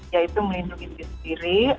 yaitu melindungi diri sendiri